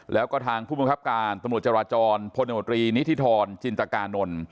แล้วก็ทางผู้เป็นคับการจรรทรพลตมตรนิธรรณจินตรการนล